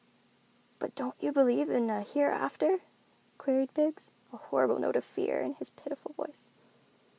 "But don't you believe in a hereafter?" queried Biggs, a horrible note of fear in his pitiful voice.